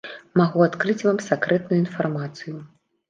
Магу адкрыць вам сакрэтную інфармацыю.